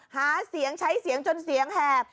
หาเสียงใช้เสียงจนเสียงแหบ